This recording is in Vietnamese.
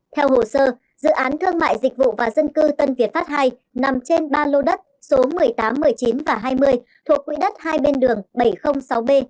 theo hồ sơ dự án thương mại dịch vụ và dân cư tân việt pháp ii nằm trên ba lô đất số một mươi tám một mươi chín và hai mươi thuộc quỹ đất hai bên đường bảy trăm linh sáu b